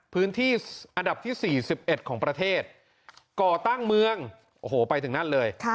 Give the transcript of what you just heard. พื้นที่อันดับที่๔๑ของประเทศก่อตั้งเมืองโอ้โหไปถึงนั่นเลย